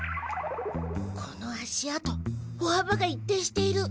この足跡歩幅が一定している。